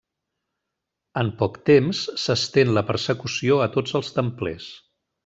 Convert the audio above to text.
En poc temps s'estén la persecució a tots els templers.